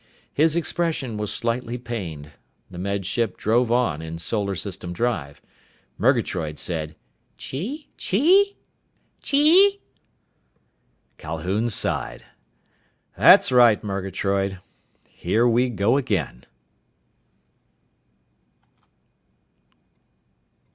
His expression was slightly pained. The Med Ship drove on, in solar system drive. Murgatroyd said, "Chee chee? Chee?" Calhoun sighed. "That's right, Murgatroyd! Here we go again!"